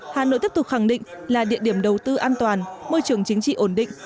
hà nội tiếp tục khẳng định là địa điểm đầu tư an toàn môi trường chính trị ổn định